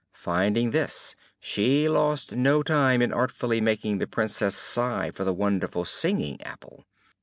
Finding this, she lost no time in artfully making the Princess sigh for the wonderful singing apple.